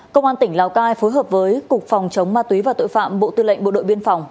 công an tỉnh lào cai phối hợp với cục phòng chống ma túy và tội phạm bộ tư lệnh bộ đội biên phòng